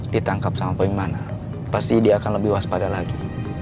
ditangkap sama pemain mana pasti dia akan lebih waspada lagi